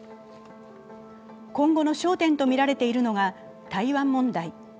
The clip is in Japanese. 今後の焦点とみられているのが台湾問題。